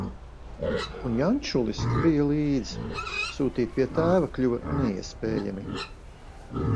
Un Jančulis bija līdz, sūtīt pie tēva kļuva neiespējami.